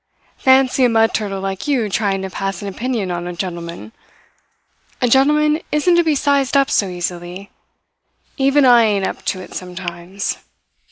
Fancy a mud turtle like you trying to pass an opinion on a gentleman! A gentleman isn't to be sized up so easily. Even I ain't up to it sometimes.